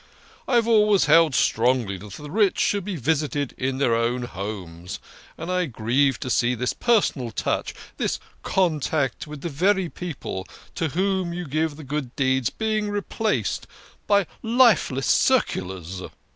I always held strongly that the rich should be visited in their own homes, and I grieve to see this personal touch, this contact with the very people to whom you give the good deeds, being replaced by lifeless circulars.